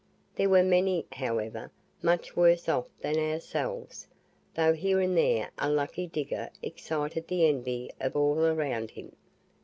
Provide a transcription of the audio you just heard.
There were many, however, much worse off than ourselves, though here and there a lucky digger excited the envy of all around him.